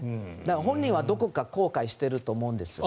本人はどこか後悔していると思うんですが。